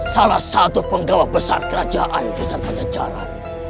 salah satu penggawa besar kerajaan besar pajajaran